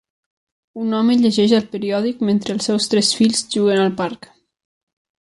Un home llegeix el periòdic mentre els seus tres fills juguen al parc.